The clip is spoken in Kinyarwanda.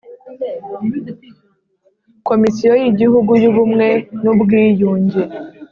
komisiyo y'igihugu y'ubumwe n'ubwiyunge